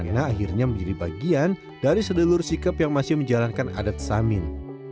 dimana akhirnya menjadi bagian dari sedulur sedulur sikap yang masih menjalankan adat samin